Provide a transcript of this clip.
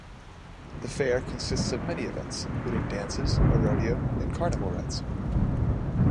The fair consists of many events, including dances, a rodeo, and carnival rides.